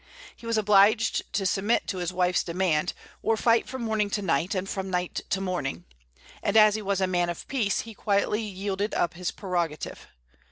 He was obliged to submit to his wife's demand, or fight from morning to night and from night to morning; and as he was a man of peace, he quietly yielded up his prerogative.